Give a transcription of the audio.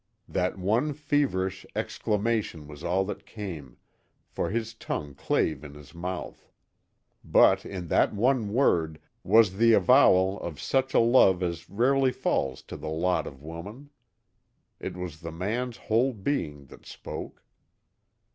That one feverish exclamation was all that came, for his tongue clave in his mouth. But in that one word was the avowal of such a love as rarely falls to the lot of woman. It was the man's whole being that spoke.